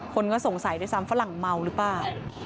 คนก็สงสัยด้วยซ้ำฝรั่งเมาหรือเปล่า